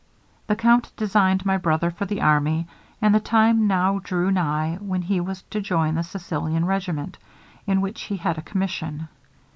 'The count designed my brother for the army, and the time now drew nigh when he was to join the Sicilian regiment, in which he had a commission.